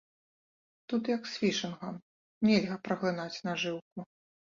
Тут, як з фішынгам, нельга праглынаць нажыўку.